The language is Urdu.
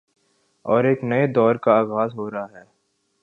اورایک نئے دور کا آغاز ہو رہاہے۔